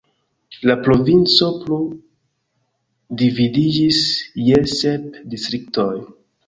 La provinco plu dividiĝis je sep distriktoj.